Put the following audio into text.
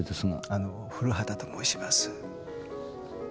あの古畑と申します。